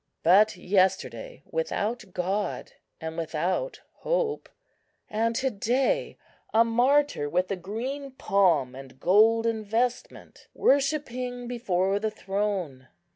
But yesterday without God and without hope; and to day a martyr with a green palm and golden vestment, worshipping before the Throne.